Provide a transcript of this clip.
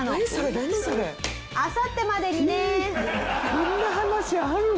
こんな話あるの？